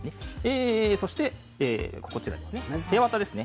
そして背わたですね